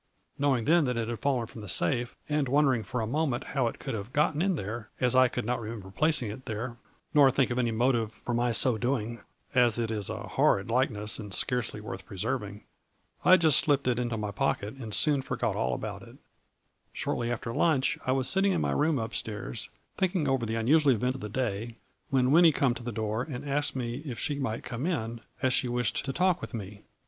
Knowing then that it had fallen from the safe, and wondering for a moment how it could have gotten in there, as I could not re member placing it there, nor think of any motive for my so doing (as it is a horrid like ness and scarcely worth preserving) I just slipped it into my pocket and soon forgot all about it 106 A FLURRY IN DIAMONDS. " Shortly after lunch I was sitting in my room up stairs, thinking over the unusual event, of the day, when Winnie come to the door and asked me if she might come in, as she wished to talk with me.